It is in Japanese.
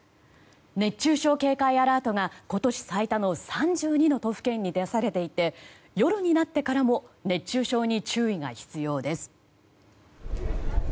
熱中症警戒アラートが今年最多の３２の都府県に出されていて夜になってからも熱中症に注意が必要です。